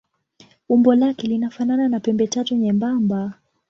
Umbo lake linafanana na pembetatu nyembamba.